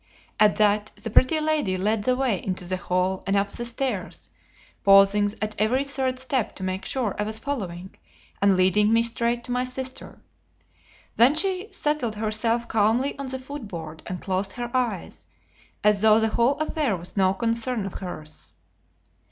At that the Pretty Lady led the way into the hall and up the stairs, pausing at every third step to make sure I was following, and leading me straight to my sister. Then she settled herself calmly on the foot board and closed her eyes, as though the whole affair was no concern of hers.